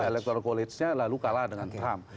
elector college nya lalu kalah dengan trump